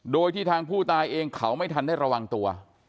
โดยที่ทางผู้ตายเองเขาไม่ทันได้ระวังตัว